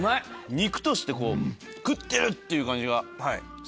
肉として「食ってる！」っていう感じがするよね。